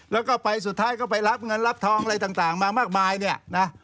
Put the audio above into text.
แล้วก็ไปสุดท้ายก็ไปรับเงินรับทองอะไรต่างมามากมายเนี่ยนะ